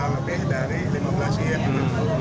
lebih dari lima belas menit